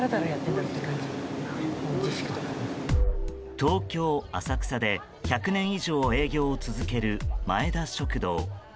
東京・浅草で１００年以上営業を続ける、まえ田食堂。